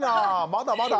まだまだ。